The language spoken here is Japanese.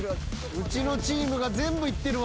うちのチームが全部行ってるわ。